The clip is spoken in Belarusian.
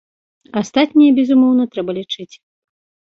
Астатняе, безумоўна, трэба лічыць.